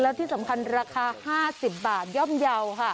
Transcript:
แล้วที่สำคัญราคา๕๐บาทย่อมเยาว์ค่ะ